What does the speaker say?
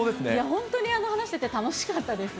本当に話してて、楽しかったです。